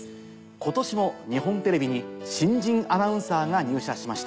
今年も日本テレビに新人アナウンサーが入社しました。